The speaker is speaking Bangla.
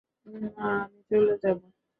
না, আমি চলে যাবো।